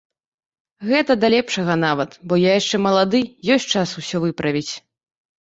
Гэта да лепшага нават, бо я яшчэ малады, ёсць час усё выправіць.